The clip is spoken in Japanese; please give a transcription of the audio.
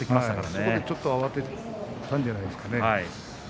そこで慌てたんじゃないですかね。